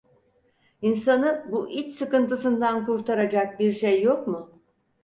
İnsanı bu iç sıkıntısından kurtaracak bir şey yok mu?